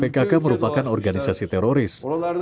pkk merupakan organisasi teroris